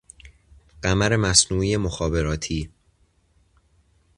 قمر مصنوعی مخابراتی